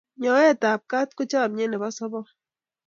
nyowet ab kat ko chamyet nebo sobon